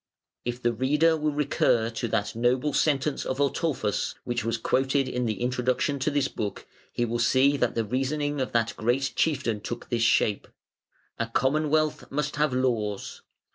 If the reader will recur to that noble sentence of Ataulfus, which was quoted in the introduction to this book, he will see that the reasoning of that great chieftain took this shape: "A Commonwealth must have laws.